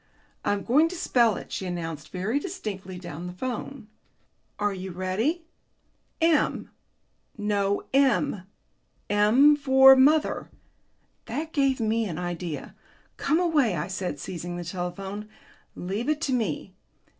"I'm going to spell it," she announced very distinctly down the telephone. "Are you ready? ... M ... No, M. M for mother." That gave me an idea. "Come away," I said, seizing the telephone; "leave it to me.